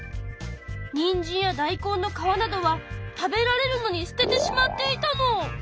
にんじんや大根の皮などは食べられるのに捨ててしまっていたの！